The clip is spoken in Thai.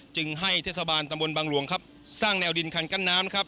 จึงให้เทศบาลตำบลบางหลวงครับสร้างแนวดินคันกั้นน้ำครับ